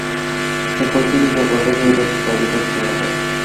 সকল যুগে, সকল দেশেই এইরূপ দাবী দেখতে পাওয়া যায়।